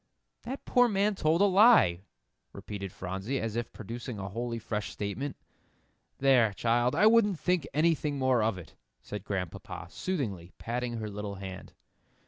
"That poor man told a lie," repeated Phronsie, as if producing a wholly fresh statement. "There, child, I wouldn't think anything more of it," said Grandpapa, soothingly, patting her little hand.